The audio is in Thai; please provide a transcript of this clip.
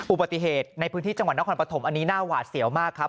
อุบัติเหตุในพื้นที่จังหวัดนครปฐมอันนี้น่าหวาดเสียวมากครับ